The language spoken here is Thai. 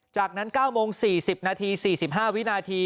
จากนั้น๙โมง๔๐นาที๔๕วินาที